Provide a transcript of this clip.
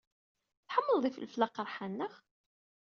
Tḥemmleḍ ifelfel aqerḥan, naɣ?